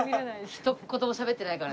ひと言もしゃべってないからね。